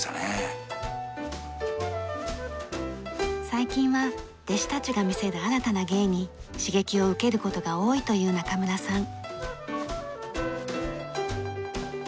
最近は弟子たちが見せる新たな芸に刺激を受ける事が多いという中村さん。